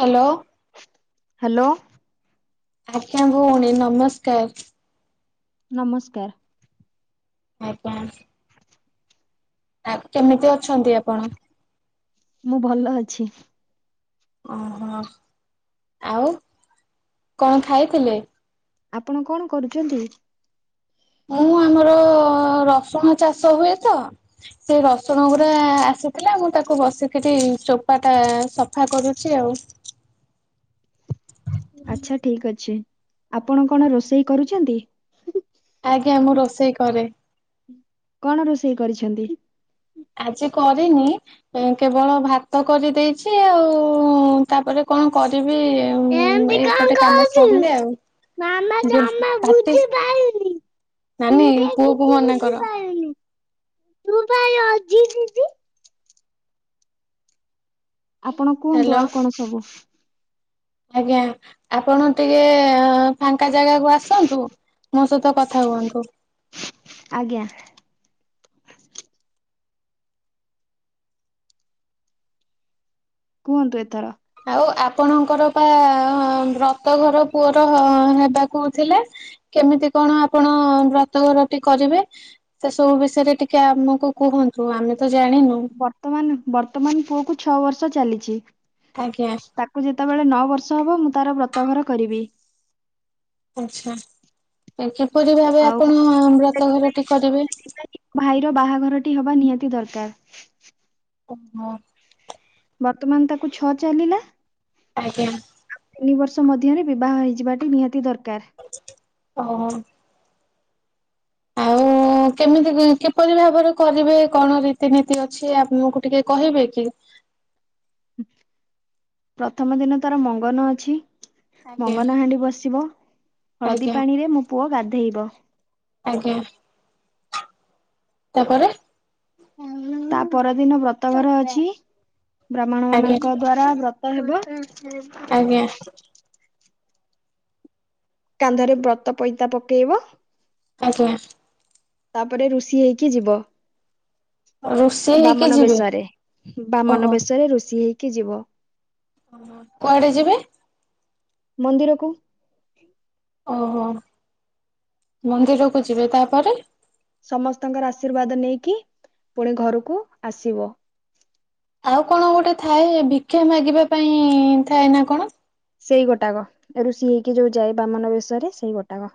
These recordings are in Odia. ହାଲୋ। ହାଲୋ। ଆଜ୍ଞା ଭଉଣୀ ନମସ୍କାର। ନମସ୍କାର। ଆଉ କଣ। ଆପ୍ କେମିତି ଅଛନ୍ତି ଆପଣ? ମୁଁ ଭଲ ଅଛି। ଓ ହୋ ଆଉ କଁ ଖାଇଥିଲେ? ଆପଣ କଣ କରୁଛନ୍ତି? ମୁଁ ଆମର ରସୁଣ ଚାଷ ହୁଏ ତ। ସେ ରସୁଣ ଗୁରା ଆସିଥିଲା ମୁଁ ତାକୁ ବସିକିରି ଚୋପା ଟା ସଫା କରୁଛି ଆଉ। ଆଚ୍ଛା ଠିକ ଅଛି ଆପଣ କଣ ରୋଷେଇ କରୁଛନ୍ତି? ଆଜ୍ଞା ମୁଁ ରୋଷେଇ କରେ। କଣ ରୋଷେଇ କରିଛନ୍ତି? ଆଜି କରିନି। କେବଳ ଭାତ କରି ଦେଇଛି ଆଉ ତାପରେ କଁ କରିବି। ଏମିତି ଆଉ କଣ ଏପଟେ କାମ କହୁଛୁ ସରିଲେ ଆଉ। ପାଟି [unintelligible] ନାନୀ ପୁଅକୁ ମନା କର। [unintelligible] ଆପଣ ହ୍ୟାଲୋ କୁହନ୍ତୁ ଆଉ କଣ ସବୁ। ଆଜ୍ଞା ଆପଣ ଟିକେ ଫାଙ୍କା ଜାଗାକୁ ଆସନ୍ତୁ। ମୋ ସହିତ କଥା ହୁଅନ୍ତୁ। ଆଜ୍ଞା। କୁହନ୍ତୁ ଏଥର। ଆଉ ଆପଣଙ୍କର ବା ବ୍ରତଘର ପୁଅର ହେବାକୁ ଥିଲା। କେମିତି କଣ ଆପଣ ବ୍ରତଘରଟି କରିବେ। ସେ ସବୁ ବିଷୟରେ ଟିକେ ଆମକୁ କୁହନ୍ତୁ ଆମେ ତ ଜାଣିନୁ। ବର୍ତ୍ତମାନ ବର୍ତ୍ତମାନ ପୁଅ କୁ ଛଅ ବର୍ଷ ଚାଲିଚି। ଆଜ୍ଞା। ତାକୁ ଯେତେବେଳେ ନଅ ବର୍ଷ ହବ ମୁଁ ତାର ବ୍ରତ ଘର କରିବି। ଆଛା ଏ ଏପରି ଭାବେ ଆଉ ଆପଣ ବ୍ରତ ଘରଟି କରିବେ? ଭାଇର ବାହାଘରଟି ହବା ନିହାତି ଦରକାର। ଓଃ! ବର୍ତ୍ତମାନ ତାକୁ ଛଅ ଚାଲିଲା। ଆଜ୍ଞା। ତିନି ବର୍ଷ ମଧ୍ୟରେ ବିବାହ ହେଇଯିବାଟି ନିହାତି ଦରକାର। ଓ ହୋ। ଆଉ ହଁ କେମିତି କି କିପରି ଭାବରେ କରିବେ କଣ ରୀତିନୀତି ଅଛି ଆମକୁ ଟିକେ କହିବେ କି? ପ୍ରଥମ ଦିନ ତାର ମଙ୍ଗନ ଅଛି। ଆଜ୍ଞା ମଙ୍ଗନହାଣ୍ଡି ବସିବ ହଳଦୀ ଆଜ୍ଞା ପାଣିରେ ମୋ ପୁଅ ଗାଧେଇବ। ଆଜ୍ଞା। ତା ପରେ? ତା ପରଦିନ ବ୍ରତଘର ଅଛି ବ୍ରାହ୍ମଣ ଆଜ୍ଞା ମାନଙ୍କ ଦ୍ଵାରା ବ୍ରତ୍ ତ ହେବ। ଆଜ୍ଞା। କାନ୍ଧରେ ବ୍ରତ ପଇତା ପକେଇବ। ଆଜ୍ଞା। ତାପରେ ଋଷି ହେଇକି ଯିବ। ରୋଷେଇ ହେଇକି ବାମନ ଯିବେ ବେଶରେ ବାମନ ଓହୋ ବେଶରେ ଋଷି ହେଇକି ଯିବ। କୁଆଡେ ଯିବେ? ମନ୍ଦିରକୁ। ଓହୋ ମନ୍ଦିରକୁ ଯିବେ ତାପରେ? ସମସ୍ତଙ୍କର ଆଶୀର୍ବାଦ ନେଇକି ପୁଣି ଘରୁକୁ ଆସିବ। ଆଉ କଣ ଗୋଟେ ଥାଏ ଭିକ୍ଷା ମାଗିବା ପାଇଁ ଥାଏ ନା କଣ? ସେଇ ଗୋଟାକ ଋଷି ହେଇକି ଯୋଉ ଯାଏ ବାମନ ବେଶରେ ସେଇ ଗୋଟାକ।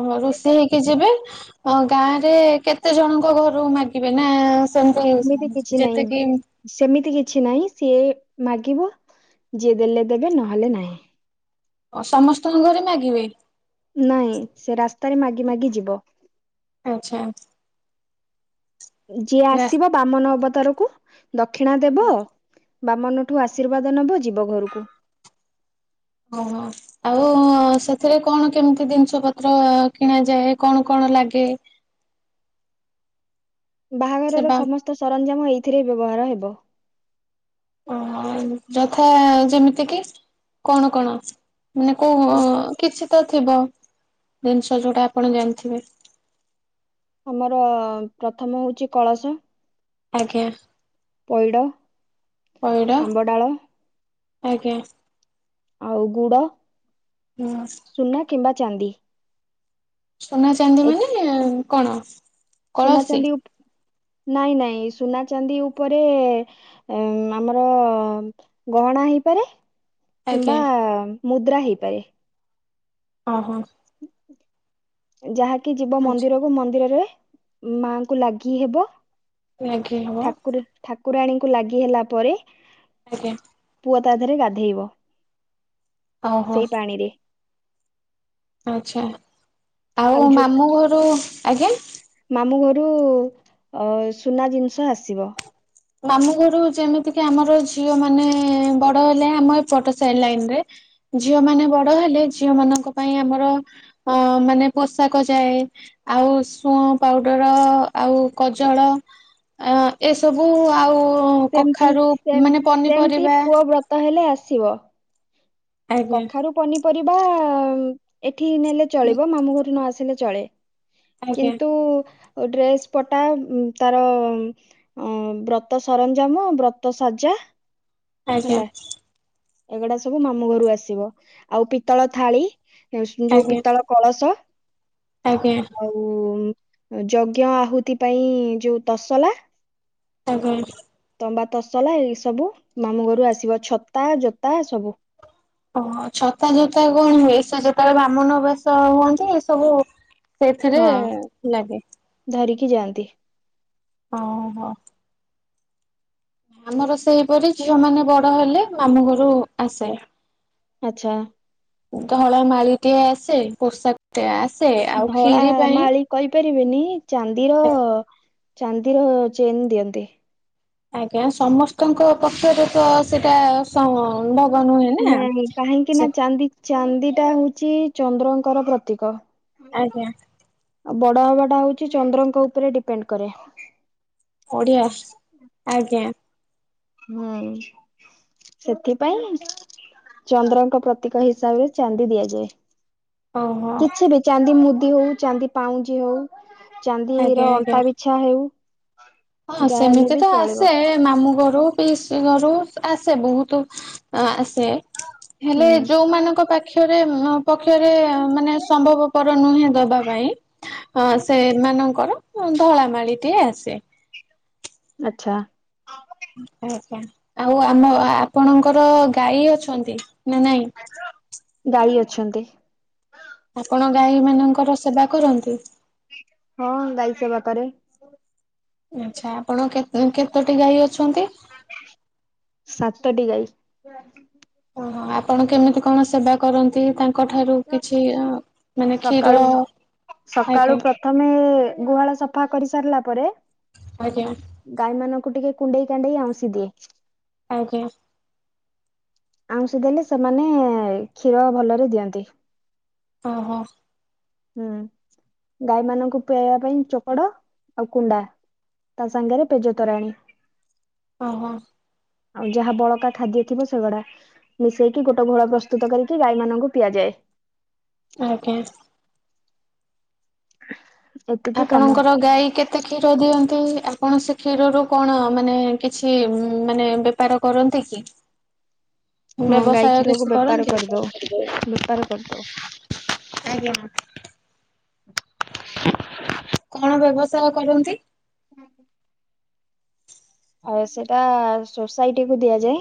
ଓ ଋଷି ହେଇକି ଯିବେ ହଁ ଗାଁରେ କେତେ ଜଣଙ୍କ ଘରୁ ମାଗିବେ ନା ଏମିତି କିଛି ଯେମିତି ନାହିଁ। ଯେତିକି ସେମିତି କିଛି ନାହିଁ ସିଏ ମାଗିବ ଯିଏ ଦେଲେ ଦେବେ ନହେଲେ ନାହିଁ। ଓ ସମସ୍ତଙ୍କ ଘରେ ମାଗିବେ? ନାଇଁ ସେ ରାସ୍ତାରେ ମାଗି ମାଗି ଯିବ। ଆଚ୍ଛା। ଯିଏ ରା ଆସିବ ବାମନ ଅବତାରକୁ ଦକ୍ଷିଣା ଦେବ ଆଜ୍ଞା ବାମନଠୁ ଆଶୀର୍ବାଦ ନବ ଯିବ ଘରୁକୁ। ଓହୋ। ଆଉ ସେଥିରେ କଣ କେମିତି ଜିନିଷ ପତ୍ର କିଣାଯାଏ କଣ କଣ ଲାଗେ? ସେ ବାହାଘରର ବା ସମସ୍ତ ସରଞ୍ଜାମ ଏଇଥିରେ ବ୍ୟବହାର ହେବ। ଓହୋ ଯଥା ଯେମିତି କି କଣ କଣ ମାନେ କୋଉ କିଛି ତ ଥିବ? ଜିନିଷ ଯୋଉଟା ଆପଣ ଜାଣିଥିବେ। ଆମର ପ୍ରଥମ ହଉଚି କଳସ, ଆଜ୍ଞା। ପଇଡ଼, ପଇଡ ଆମ୍ବଡାଳ ଆଜ୍ଞା। ଆଉ ଗୁଡ ହୁଁ। ଚିନା କିମ୍ବା ଚାନ୍ଦି। ଚୁନା ଚାନ୍ଦି ମାନେ କଣ? କଳସୀ ସୁନାଚାନ୍ଦି ଉପ ନାଇଁ ନାଇଁ ସୁନାଚାନ୍ଦି ଉପରେ। ଉଁ ଆମର ଗହଣା ହେଇପାରେ। ଆଜ୍ଞା କିମ୍ବା ମୁଦ୍ରା ହେଇପାରେ। ଅହ। ଯାହାକି ଯିବ ଆଚ୍ଛା। ମନ୍ଦିରକୁ ମନ୍ଦିରରେ ମାଙ୍କୁ ଲାଗି ହେବ। ଲାଗି ହବ ଠାକୁର୍ ଠାକୁରାଣୀଙ୍କୁ ଲାଗି ହେଲା ପରେ ଆଜ୍ଞ। ପୁଅ ତା ଦେହରେ ଗାଧେଇବ, ଓହୋ ସେଇ ପାଣିରେ। ଆଛା ଆଉ ମାମଁ ଘରୁ ଆଜ୍ଞା ମାମୁ ଘରୁ ଅ ସୁନା ଜିନିଷ ଆସିବ। ମାମୁ ଘରୁ ଯେମିତିକି ଆମର ଝିଅ ମାନେ ବଡ ହେଲେ ଆମ ଏ ପଟ ସାଇ ଲାଇନ ରେ ଝିଅ ମାନେ ବଡ ହେଲେ ଝିଅ ମାନଙ୍କ ପାଇଁ ଆମର ଅ ମାନେ ପୋଷାକ ଯାଏ। ଆଉ ଶୁଅଁ ପାଉଡର୍ ଆଉ କଜଳ ଅ ଏସବୁ। ସବୁ ଆଉ ସେମତି କଖାରୁ ମାନେ ପନିପରିବା। ତାହେଲେ ଆସିବ। ଆଜ୍ଞା କଖାରୁ ପନିପରିବା ଏଠି ନେଲେ ଚଳିବ ମାମୁଁ ଘରୁ ନ ଆସିଲେ ଚଳେ। ଆଜ୍ଞା କିନ୍ତୁ ଆଉ ଡ୍ରେସ ପଟା ଉ ତାର। ଅ ବ୍ରତ ସରଞ୍ଜାମ ବ୍ରତ ସଜା। ଆଜ୍ଞା। ହେଲା ଏଗୁଡା ସବୁ ମାମୁଁ ଘରୁ ଆସିବ ଆଉ ପିତ୍ତଳ ଥାଳି ଯୋଉ ଆଜ୍ଞା ପିତ୍ତଳ କଳସ। ଆଜ୍ଞା। ଆଉ ଯଜ୍ଞ ଆହୁତି ପାଇଁ ଯୋଉ ତସଲା। ତାଙ୍କ ପାଇଁ। ତମ୍ବା ତସଲା ଏଇ ସବୁ ମାମୁଁ ଘରୁ ଆସିବ ଛତା ଜୋତା ସବୁ। ଓହୋ ଛତା ଜୋତା କଣ ହୁଏ ସେ ଯେତେବେଳେ ବ୍ରାହ୍ମଣ ବେସ ହୁଅନ୍ତି ଏ ସବୁ। ସେଇଥିରେ ହଁ ଲାଗେ। ଧରିକି ଯାଆନ୍ତି। ଓ ହୋ। ଆମର ସେହିପରି ଝିଅ ମାନେ ବଡ ହେଲେ ମାମୁଁ ଘରୁ ଆସେ। ଆଚ୍ଛା। ଧଳା ମାଳିଟିଏ ଆସେ ପୋଷାକ ଟେ ଆସେ ଆଉ ଧଳା କ୍ଷୀରି ପାଇଁ। ମାଳି କହିପାରିବେନି ଚାନ୍ଦିର ଚାନ୍ଦିର ଚେନ୍ ଦିଅନ୍ତି। ଆଜ୍ଞା ସମସ୍ତଙ୍କ ପକ୍ଷରେ ତ ସେଇଟା। ସମ ଭବ ହୁହେ ନା ସେ। ଚାନ୍ଦିଟା ହଉଛି ଚନ୍ଦ୍ରଙ୍କର ପ୍ରତୀକ। ଆଜ୍ଞା। ଆଉ ବଡ ହବା ଟା ହଉଛି ଚନ୍ଦ୍ରଙ୍କ ଉପରେ ଡିପେଣ୍ଡ କରେ। ଓଡିଆ ଶ୍ ଆଜ୍ଞା। ହୁଁ ସେଥିପାଇଁ। ଚନ୍ଦ୍ରଙ୍କ ପ୍ରତୀକ ହିସାବରେ ଚାନ୍ଦି ଦିଆଯାଏ। ଓହୋ କିଛି ବି ଚାନ୍ଦି ମୁଦି ହଉ ଚାନ୍ଦି ପାଉଁଜି ହଉ ଆଜ୍ଞା ଚାନ୍ଦିର ଆଜ୍ଞା। ଅଣ୍ଟା ବିଛା ଟା ହେଉ ହଁ ଯାହା ହେଲେ ସେମିତି ବି ତ ଚଳିବ। ଆସେଏ ମାମୁଁ ଘରୁ ପିଉସୀ ଘରୁ ଆସେ ବହୁତ ଆସେ ହେଲେ ହୁଁ। ଯୋଉ ମାନଙ୍କ ପାଖରେ ପକ୍ଷରେ ମାନେ ସମ୍ଭବ ପର ନୁହେଁ ଦବା ପାଇଁ ଅ ସେମାନଙ୍କର ଧଳା ମାଳିଟିଏ ଆସେ। ଆଚ୍ଛା। ଆଉ ଆମ ଆପଣଙ୍କର ଗାଈ ଅଛନ୍ତି ନା ନାଇଁ? ଗାଈ ଅଛନ୍ତି। ଆପଣ ଗାଈ ମାନଙ୍କର ସେବା କରନ୍ତି? ହଁ ଗାଈ ସେବା କରେ। ଆଛା ଆପଣ କେତେ କେତୋଟି ଗାଈ ଅଛନ୍ତି? ସାତଟି ଗାଈ ହଁ। [unintelligible] ଓହୋ ଆପଣ କେମିତି କଣ ସେବା କରନ୍ତି ତାଙ୍କ ତାଙ୍କ ଠାରୁ କିଛି ଅ ମାନେ କ୍ଷୀର ସକାଳୁ ସକାଳୁ ଆଜ୍ଞା ପ୍ରଥମେ ଗୁହାଳ ସଫା କରି ସାରିଲା ପରେ ଆଜ୍ଞା। ଗାଈମାନଙ୍କୁ ଟିକେ କୁଣ୍ଡେଇ କାଣ୍ଡେଇ ଆଉଁଶି ଦିଏ। ଆଜ୍ଞା। ଆଉଁଶି ଦେଲେ ସେମାନେ କ୍ଷୀର ଭଲରେ ଦିଅନ୍ତି। ଓହୋ। ହୁଁ ଗାଈ ମାନଙ୍କୁ ପିଆଇବା ପାଇଁ ଚୋକଡ ଆଉ କୁଣ୍ଡା। ତା ସାଙ୍ଗରେ ପେଜ ତୋରାଣୀ। ଓ ହଁ। ଆଉ ଯାହା ବଳକା ଖାଦ୍ୟ ଥିବ ସେଗୁଡା ମିଶେଇକି ଗୋଟେ ଘୋଳ ପ୍ରସ୍ତୁତ କରିକି ଗାଈମାନଙ୍କୁ ପିଆଯାଏ। ଆଜ୍ଞା। ଏତିକି କାମ ଆପଣଙ୍କର ଗାଈ କେତେ କେତେ କ୍ଷୀର ଦିଅନ୍ତି ଆପଣ ସେ କ୍ଷୀରରୁ କଣ ମାନେ କିଛି ମାନେ ବେ ବେପାର କରନ୍ତି କି? ହଁ ଗାଈ ବ୍ୟବସାୟ କ୍ଷୀରକୁ କିଛି ବେପାର କରନ୍ତି କରିଦଉ କି? ବେପାର କରିଦଉ ଆଜ୍ଞା। କଣ ବ୍ୟବସାୟ କରନ୍ତି? ଆଜ୍ଞା। ଆଉ ସେଟା ସୋସାଇଟି କୁ ଦିଆଯାଏ।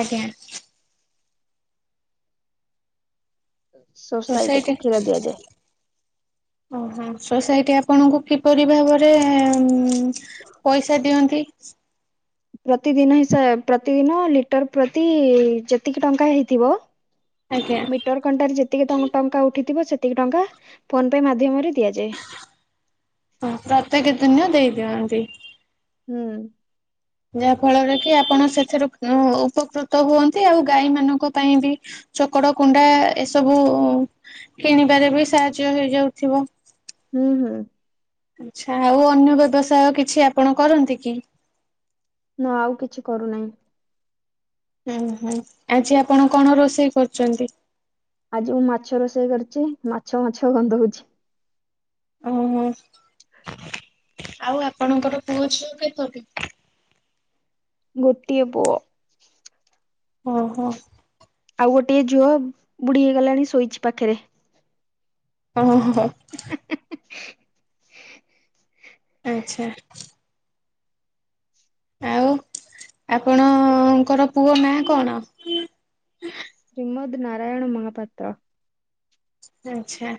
ଆଜ୍ଞା। ସୋସାଇଟି କୁ କ୍ଷୀର ଦିଆଯାଏ। ଓହୋ ସୋସାଇଟି ଆପଣଙ୍କୁ କିପରି ଭାବରେ ପଇସା ଦିଅନ୍ତି? ପ୍ରତିଦିନ ହିସାବ ପ୍ରତିଦିନ ଲିଟର ପ୍ରତି ଯେତିକି ଟଙ୍କା ହେଇଥିବ ଆଜ୍ଞା ମିଟର କଣ୍ଟାରେ ଯେତିକି ଟକା ଟଙ୍କା ଉଠିଥିବ ସେତିକି ଟଙ୍କା ଫୋନ ପେ ମାଧ୍ୟମରେ ଦିଆଯାଏ। ହଁ ପ୍ରତ୍ୟେକ ଦିନ ଦେଇ ଦିଅନ୍ତି। ହୁଁ। ଯାହା ଫଳରେ କି ଆପଣ ସେଥିରୁ ଉପକୃତ ହୁଅନ୍ତି ଆଉ ଗାଈ ମାନଙ୍କ ପାଇଁ ବି ଚୋକଡ କୁଣ୍ଡା ଏସବୁ କିଣିବାରେ ବି ସାହାଯ୍ୟ ହେଇଯାଉଥିବ। ହୁଁ ହୁଁ। ଆଛା ଆଉ ଅନ୍ୟ ବ୍ୟବସାୟ କିଛି ଆପଣ କରନ୍ତି କି? ନା ଆଉ କିଛି କରୁନାହିଁ। ହୁଁ ହୁଁ ଆଜି ଆପଣ କଣ ରୋଷେଇ କରୁଚନ୍ତି? ଆଜି ମୁଁ ମାଛ ରୋଷେଇ କରିଚି ମାଛ ମାଛ ଗନ୍ଧ ହଉଛି। ଓହୋ ଆଉ ଆପଣଙ୍କର ପୁଅ ଝିଅ କେତୋଟି? ଗୋଟିଏ ପୁଅ। ଓହୋ। ଆଉ ଗୋଟିଏ ଝିଅ ବୁଢୀ ହେଇଗଲାଣି ଶୋଇଛି ପାଖରେ। ଓହୋ। ଆଚ୍ଛା। ଆଉ ଆପଣଙ୍କର ପୁଅ ନା କଣ? ଶ୍ରୀମଦ୍ ନାରାୟଣ ମହାପାତ୍ର। ଆଛା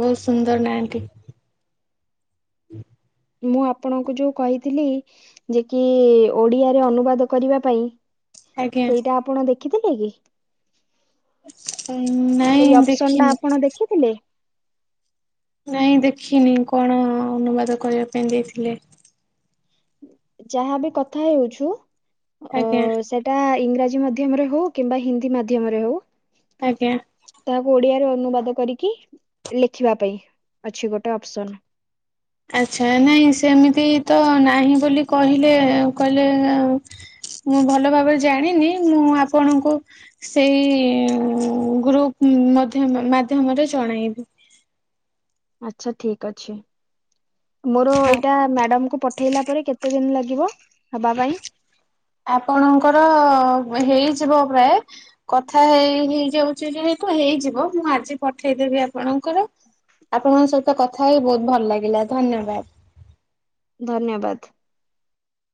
ବହୁତ ସୁନ୍ଦର ନା ଟିଏ। ମୁଁ ଆପଣଙ୍କୁ ଯୋଉ କହିଥିଲି ଯେ କି ଓଡିଆରେ ଅନୁବାଦ କରିବା ପାଇଁ ଆଜ୍ଞା ସେଇଟା ଆପଣ ଦେଖିଥିଲେ କି? ହଁନା। ସେଇ ଅପସନ ଟା ଆପଣ ଦେଖିଥିଲେ। ନାଇଁ ଦେଖିନି କଣ ଅନୁବାଦ କରିବା ପାଇଁ ଦେଇଥିଲେ। ଯାହାବି କଥା ହେଉଛୁ ଆଜ୍ଞା। ଏଟା ଇଂରାଜୀ ମାଧ୍ୟମରେ ହଉ କିମ୍ବା ହିନ୍ଦୀ ମାଧ୍ୟମରେ ହଉ। ଆଜ୍ଞା। ତାହାକୁ ଓଡିଆରେ ଅନୁବାଦ କରିକି ଲେଖିବା ପାଇଁ ଅଛି ଗୋଟେ ଅପସନ। ଆଛା ନାଇଁ ସେମିତି ତ ନାହିଁ ବୋଲି କହିଲେ କହିଲେ ମୁଁ ଭଲ ଭାବରେ ଜାଣିନି ମୁଁ ଆପଣଙ୍କୁ ସେଇ ଗ୍ରୁପ ମଧ୍ୟ ମାଧ୍ୟମରେ ଜଣାଇବି। ଆଛା ଠିକ ଅଛି ମୋର ଏଇଟା ମ୍ୟାଡାମକୁ ପ ପଠେଇଲା ପରେ କେତେ ଦିନ ଲାଗିବ ହବା ପାଇଁ? ଆପଣଙ୍କର ହେଇଯିବ ପ୍ରାୟ କଥା ହେଇ ହେଇଯାଉଚି ଯେହେତୁ ହେଇଯିବ ମୁଁ ଆଜି ପଠେଇଦେବି ଆପଣଙ୍କର। ଆପଣଙ୍କ ସହିତ କଥା ହେଇ ବୋହୁତ ଭଲ ଲାଗିଲା ଧନ୍ୟବାଦ। ଧନ୍ୟବାଦ।